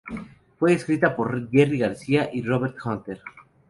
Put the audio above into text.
Fue escrita por Jerry Garcia y Robert Hunter.